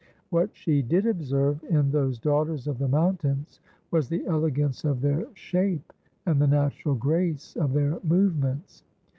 What she did observe in those daughters of the mountains was the elegance of their shape and the natural grace of their movements.